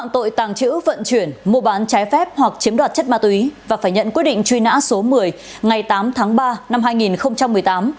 tội tàng trữ vận chuyển mua bán trái phép hoặc chiếm đoạt chất ma túy và phải nhận quyết định truy nã số một mươi ngày tám tháng ba năm hai nghìn một mươi tám